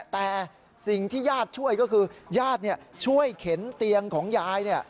แต่สิ่งที่ญาติช่วยก็คือญาติช่วยเข็นเตียงของยาย